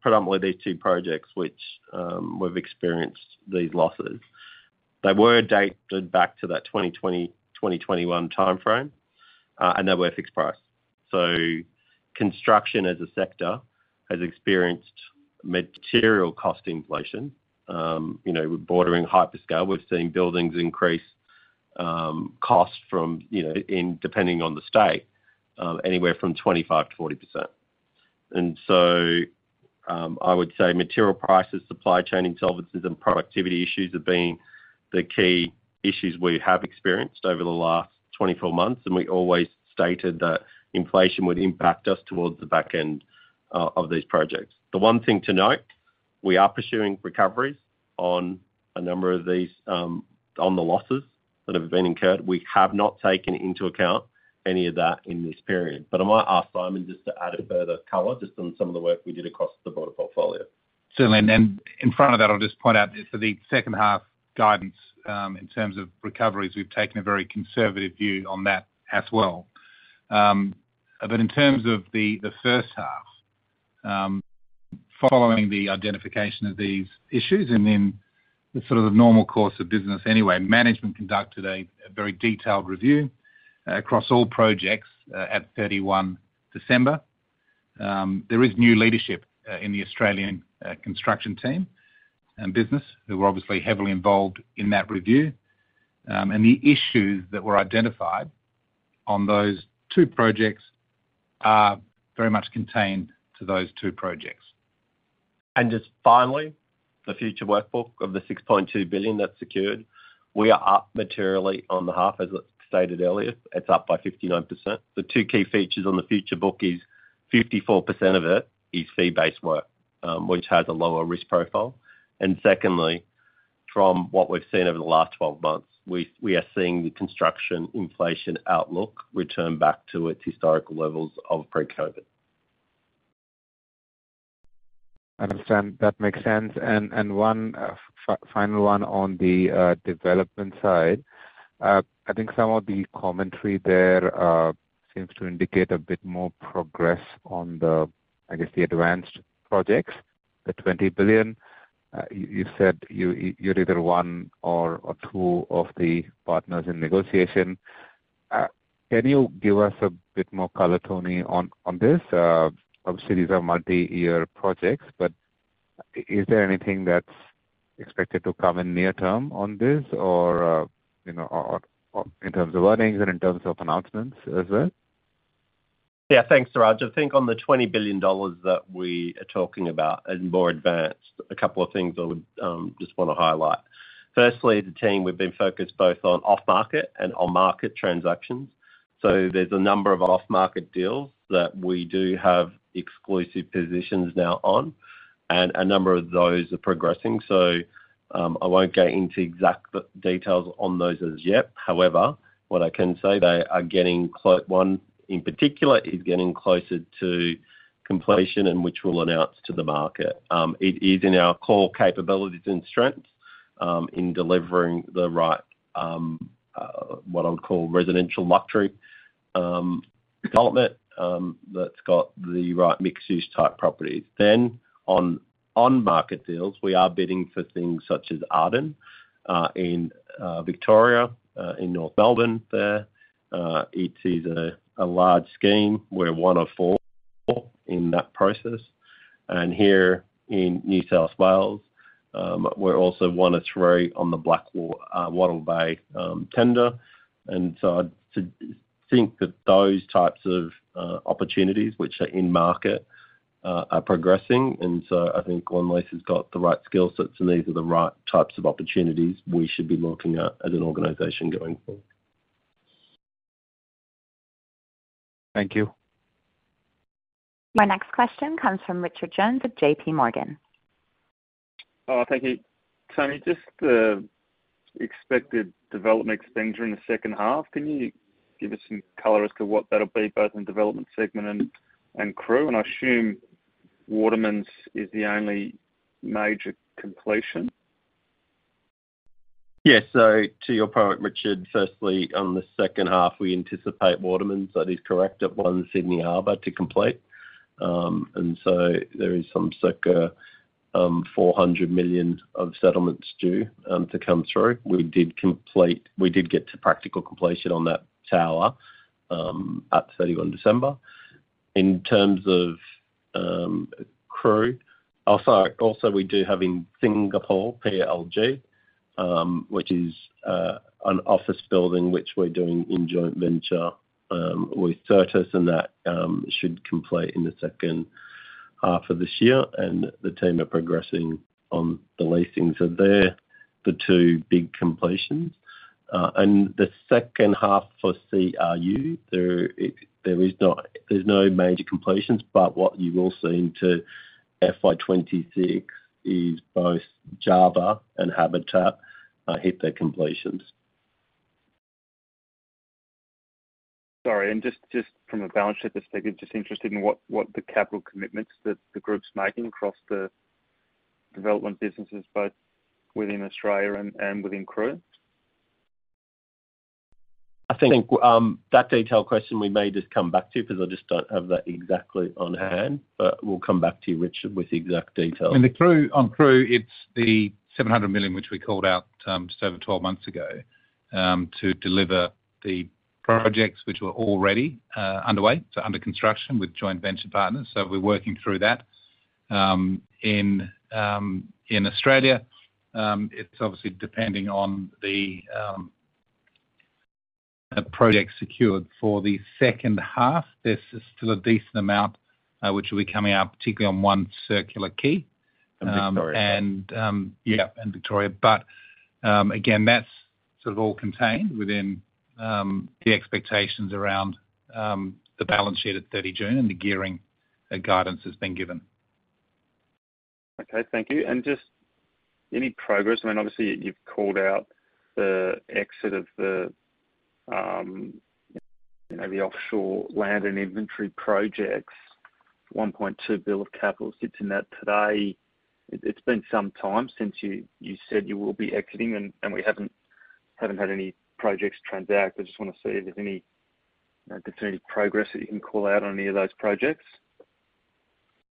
predominantly these two projects, which we've experienced these losses, they were dated back to that 2020, 2021 timeframe, and they were fixed price. So construction as a sector has experienced material cost inflation. Bordering on hyperscale, we've seen buildings increase cost from, depending on the state, anywhere from 25% to 40%. And so I would say material prices, supply chain insolvencies, and productivity issues have been the key issues we have experienced over the last 24 months. And we always stated that inflation would impact us towards the back end of these projects. The one thing to note, we are pursuing recoveries on a number of these on the losses that have been incurred. We have not taken into account any of that in this period. But I might ask Simon just to add a further color just on some of the work we did across the broader portfolio. Certainly. And in front of that, I'll just point out for the second half guidance in terms of recoveries, we've taken a very conservative view on that as well. But in terms of the first half, following the identification of these issues and then the sort of normal course of business anyway, management conducted a very detailed review across all projects at 31 December. There is new leadership in the Australian construction team and business who were obviously heavily involved in that review. And the issues that were identified on those two projects are very much contained to those two projects. And just finally, the future workbook of the 6.2 billion that's secured, we are up materially on the half, as stated earlier. It's up by 59%. The two key features on the future book is 54% of it is fee-based work, which has a lower risk profile. And secondly, from what we've seen over the last 12 months, we are seeing the construction inflation outlook return back to its historical levels of pre-COVID. I understand. That makes sense. And one final one on the development side, I think some of the commentary there seems to indicate a bit more progress on the, I guess, the advanced projects, the 20 billion. You said you're either one or two of the partners in negotiation. Can you give us a bit more color, Tony, on this? Obviously, these are multi-year projects, but is there anything that's expected to come in near term on this or in terms of earnings and in terms of announcements as well? Yeah. Thanks, Suraj. I think on the 20 billion dollars that we are talking about and more advanced, a couple of things I would just want to highlight. Firstly, as a team, we've been focused both on off-market and on-market transactions. So there's a number of off-market deals that we do have exclusive positions now on, and a number of those are progressing. So I won't get into exact details on those as yet. However, what I can say, they are getting one in particular is getting closer to completion and which we'll announce to the market. It is in our core capabilities and strengths in delivering the right, what I would call, residential luxury development that's got the right mixed-use type properties. Then on-market deals, we are bidding for things such as Arden in Victoria, in North Melbourne there. It is a large scheme. We're one of four in that process. And here in New South Wales, we're also one of three on the Blackwattle Bay tender. And so I think that those types of opportunities, which are in market, are progressing. And so I think when [Lendlease] got the right skill sets and these are the right types of opportunities, we should be looking at as an organization going forward. Thank you. My next question comes from Richard Jones of JPMorgan. Oh, thank you. Tony, just the expected development expenditure in the second half, can you give us some color as to what that'll be both in development segment and CRU? And I assume Watermans is the only major completion. Yes. To your point, Richard, firstly, on the second half, we anticipate Watermans, that is correct, at One Sydney Harbour to complete. And so there is some circa 400 million of settlements due to come through. We did get to practical completion on that tower at 31 December. In terms of CRU, also we do have in Singapore, PLG, which is an office building which we're doing in joint venture with Certis, and that should complete in the second half of this year. And the team are progressing on the leasings of their two big completions. And the second half for CRU, there is no major completions, but what you will see into FY 2026 is both Java and Habitat hit their completions. Sorry. And just from a balance sheet perspective, just interested in what the capital commitments that the group's making across the development businesses, both within Australia and within CRU. I think that detailed question we may just come back to because I just don't have that exactly on hand, but we'll come back to you, Richard, with the exact details. And the CRU, on CRU, it's the 700 million which we called out just over 12 months ago to deliver the projects which were already underway, so under construction with joint venture partners. So we're working through that. In Australia, it's obviously depending on the projects secured for the second half. There's still a decent amount which will be coming out, particularly on One Circular Quay and Victoria. But again, that's sort of all contained within the expectations around the balance sheet at 30 June and the gearing guidance has been given. Okay. Thank you. And just any progress? I mean, obviously, you've called out the exit of the offshore land and inventory projects. 1.2 billion of capital sits in that today. It's been some time since you said you will be exiting, and we haven't had any projects transacted. I just want to see if there's any definitive progress that you can call out on any of those projects.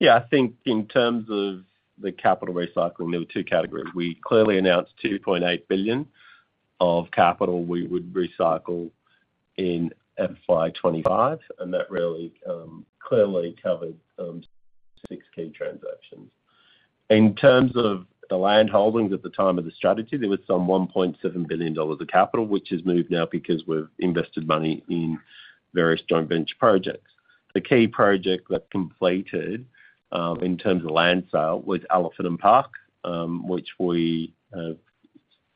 Yeah. I think in terms of the capital recycling, there were two categories. We clearly announced 2.8 billion of capital we would recycle in FY 2025, and that really clearly covered six key transactions. In terms of the land holdings at the time of the strategy, there was some 1.7 billion dollars of capital, which has moved now because we've invested money in various joint venture projects. The key project that completed in terms of land sale was Elephant Park, which we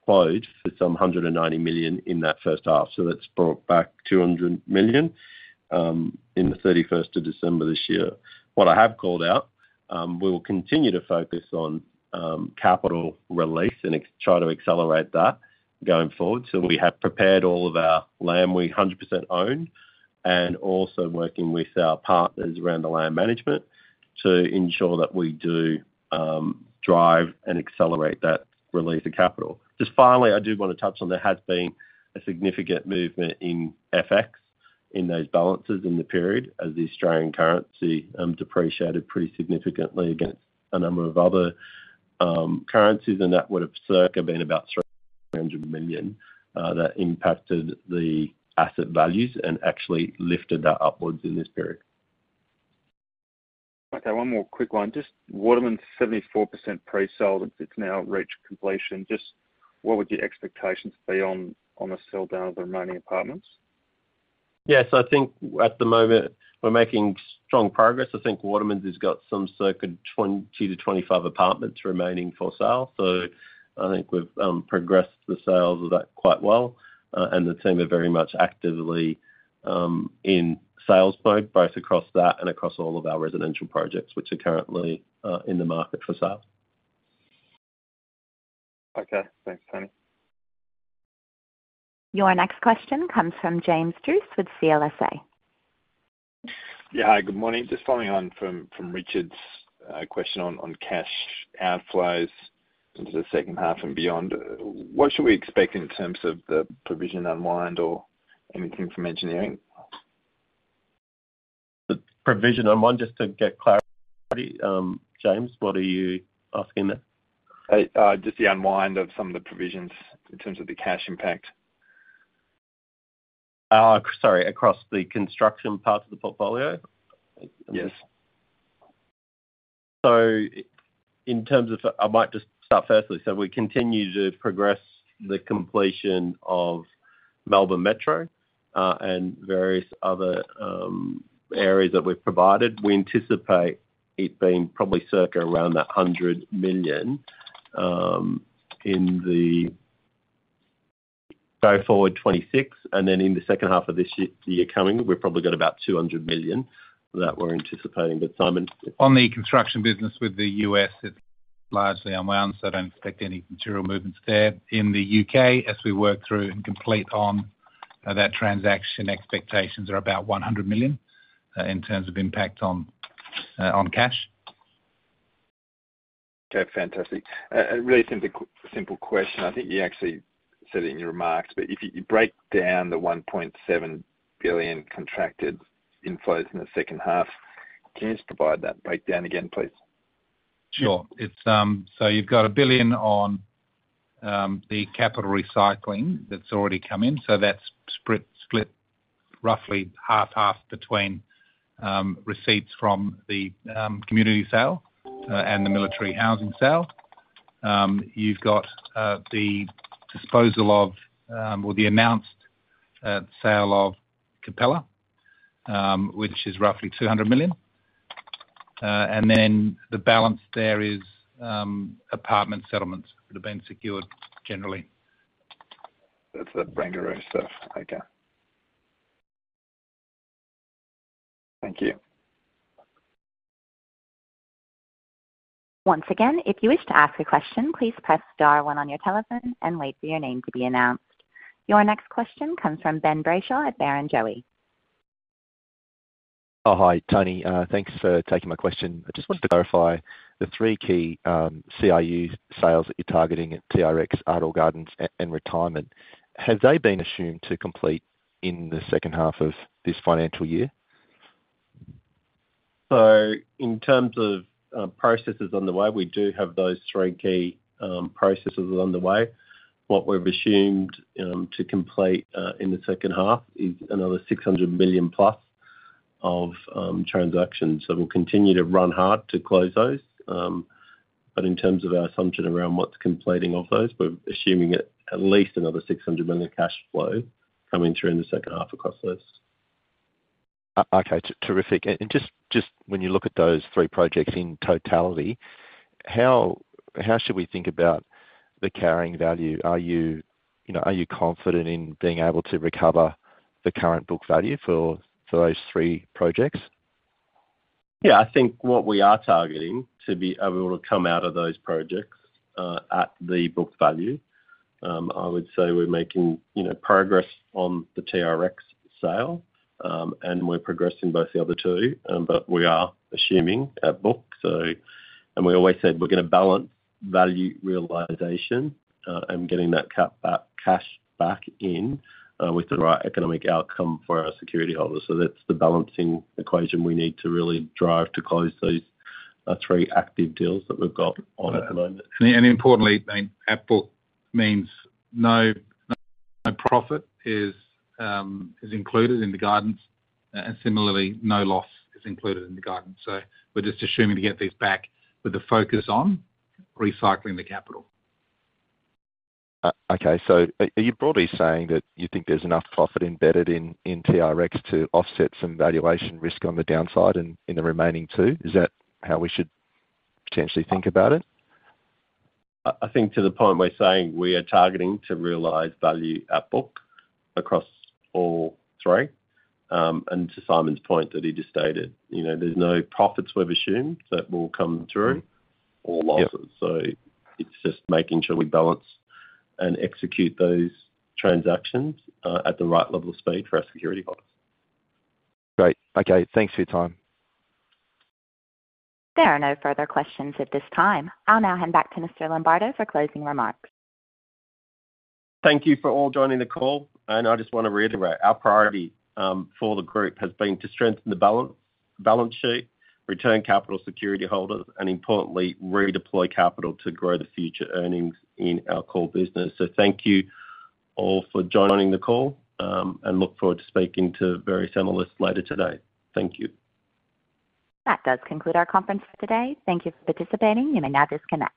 closed for some 190 million in that first half. So that's brought back 200 million in the 31st of December this year. What I have called out, we will continue to focus on capital release and try to accelerate that going forward. So we have prepared all of our land we 100% own and also working with our partners around the land management to ensure that we do drive and accelerate that release of capital. Just finally, I do want to touch on there has been a significant movement in FX in those balances in the period as the Australian currency depreciated pretty significantly against a number of other currencies. And that would have circa been about 300 million that impacted the asset values and actually lifted that upwards in this period. Okay. One more quick one. Just Watermans, 74% pre-sold. It's now reached completion. Just what would your expectations be on the sell down of the remaining apartments? Yeah. So, I think at the moment, we're making strong progress. I think Watermans has got some circa 20-25 apartments remaining for sale. So, I think we've progressed the sales of that quite well. And the team are very much actively in sales mode both across that and across all of our residential projects which are currently in the market for sales. Okay. Thanks, Tony. Your next question comes from James Druce with CLSA. Yeah. Hi. Good morning. Just following on from Richard's question on cash outflows into the second half and beyond. What should we expect in terms of the provision unwind or anything from engineering? The provision unwind, just to get clarity, James, what are you asking there? Just the unwind of some of the provisions in terms of the cash impact. Sorry, across the construction part of the portfolio? Yes. So, in terms of I might just start firstly. So, we continue to progress the completion of Melbourne Metro and various other areas that we've provided. We anticipate it being probably circa around that 100 million in the go forward 2026. And then in the second half of the year coming, we're probably going to about 200 million that we're anticipating. But Simon. On the construction business with the U.S., it's largely unwound, so I don't expect any material movements there. In the U.K., as we work through and complete on that transaction, expectations are about 100 million in terms of impact on cash. Okay. Fantastic. A really simple question. I think you actually said it in your remarks, but if you break down the 1.7 billion contracted inflows in the second half, can you just provide that breakdown again, please? Sure, so you've got 1 billion on the capital recycling that's already come in, so that's split roughly half-half between receipts from the community sale and the Military Housing sale. You've got the disposal of or the announced sale of Capella, which is roughly 200 million. And then the balance there is apartment settlements that have been secured generally. That's the Barangaroo stuff. Okay. Thank you. Once again, if you wish to ask a question, please press star one on your telephone and wait for your name to be announced. Your next question comes from Ben Brayshaw at Barrenjoey. Hi, Tony. Thanks for taking my question. I just wanted to clarify the three key CRU sales that you're targeting at TRX, Ardor Gardens, and Retirement. Have they been assumed to complete in the second half of this financial year? So, in terms of processes on the way, we do have those three key processes on the way. What we've assumed to complete in the second half is another 600 million plus of transactions. So, we'll continue to run hard to close those. But in terms of our assumption around what's completing of those, we're assuming at least another 600 million cash flow coming through in the second half across those. Okay. Perfect. And just when you look at those three projects in totality, how should we think about the carrying value? Are you confident in being able to recover the current book value for those three projects? Yeah. I think what we are targeting to be able to come out of those projects at the book value. I would say we're making progress on the TRX sale, and we're progressing both the other two, but we are assuming at book. And we always said we're going to balance value realization and getting that cash back in with the right economic outcome for our securityholders. So that's the balancing equation we need to really drive to close those three active deals that we've got on at the moment. And importantly, I mean, at book means no profit is included in the guidance, and similarly, no loss is included in the guidance. So, we're just assuming to get these back with the focus on recycling the capital. Okay. So, are you broadly saying that you think there's enough profit embedded in TRX to offset some valuation risk on the downside in the remaining two? Is that how we should potentially think about it? I think to the point we're saying we are targeting to realize value at book across all three. And to Simon's point that he just stated, there's no profits we've assumed that will come through or losses. So it's just making sure we balance and execute those transactions at the right level of speed for our securityholders. Great. Okay. Thanks for your time. There are no further questions at this time. I'll now hand back to Mr. Lombardo for closing remarks. Thank you for all joining the call. I just want to reiterate, our priority for the group has been to strengthen the balance sheet, return capital to securityholders, and importantly, redeploy capital to grow the future earnings in our core business. Thank you all for joining the call, and I look forward to speaking to various analysts later today. Thank you. That does conclude our conference for today. Thank you for participating. You may now disconnect.